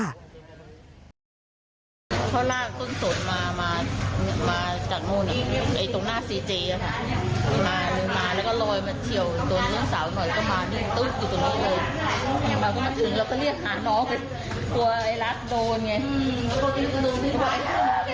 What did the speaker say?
แล้วก็ลอยไปจากถังหน้าร้านเลยแล้วก็ปุ๊บเลี่ยว